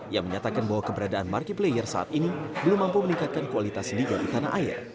yang menyatakan bahwa keberadaan markiplayer saat ini belum mampu meningkatkan kualitas liga di tanah air